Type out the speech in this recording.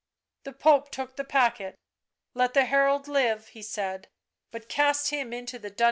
The Pope took the packet. " Let the herald live," he said, " but cast him into the dungeons."